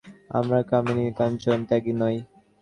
আমরা কামিনীকাঞ্চনত্যাগী নই।